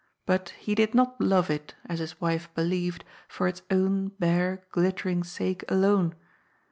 But he did not love it, as his wife believed, for its own bare, glittering sake alone.